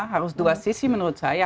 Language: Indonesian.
harus dua sisi menurut saya